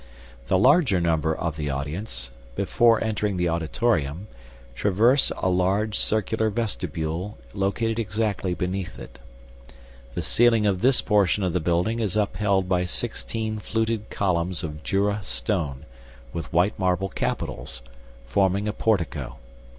The larger number of the audience, before entering the auditorium, traverse a large circular vestibule located exactly beneath it. The ceiling of this portion of the building is upheld by sixteen fluted columns of Jura stone, with white marble capitals, forming a portico.